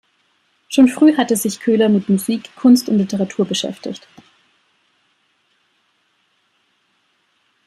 Schon früh hatte sich Köhler mit Musik, Kunst und Literatur beschäftigt.